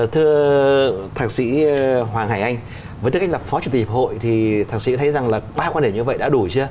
thưa thạc sĩ hoàng hải anh với tư cách là phó chủ tịch hội thì thạc sĩ thấy rằng là ba quan điểm như vậy đã đủ chưa